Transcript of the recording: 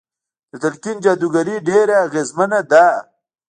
د تلقين جادوګري ډېره اغېزمنه ده.